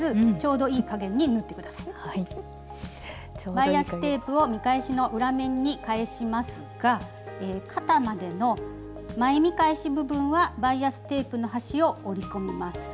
バイアステープを見返しの裏面に返しますが肩までの前見返し部分はバイアステープの端を折り込みます。